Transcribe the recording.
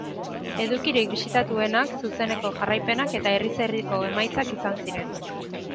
Edukirik bisitatuenak zuzeneko jarraipenak eta herriz-herriko emaitzak izan ziren.